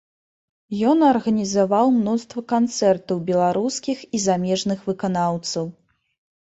Ён арганізаваў мноства канцэртаў беларускіх і замежных выканаўцаў.